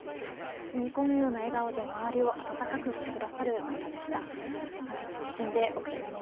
包み込むような笑顔で周りを温かくしてくださる方でした。